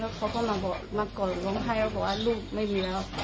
แล้วเขาก็มาก่อนล้อมให้แล้วก็บอกว่าลูกไม่มีแล้ว